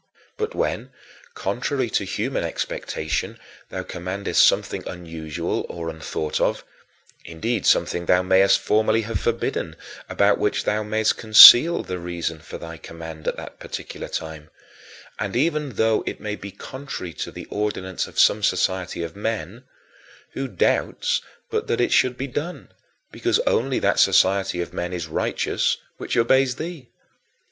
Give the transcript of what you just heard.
But when, contrary to human expectation, thou commandest something unusual or unthought of indeed, something thou mayest formerly have forbidden, about which thou mayest conceal the reason for thy command at that particular time; and even though it may be contrary to the ordinance of some society of men who doubts but that it should be done because only that society of men is righteous which obeys thee?